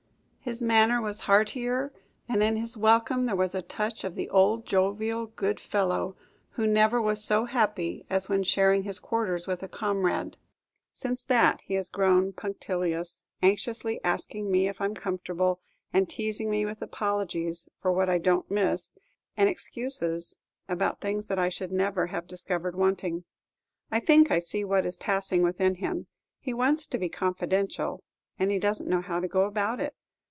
His manner was heartier, and in his welcome there was a touch of the old jovial good fellow, who never was so happy as when sharing his quarters with a comrade. Since that he has grown punctilious, anxiously asking me if I am comfortable, and teasing me with apologies for what I don't miss, and excuses about things that I should never have discovered wanting. I think I see what is passing within him; he wants to be confidential, and he does n't know how to go about it.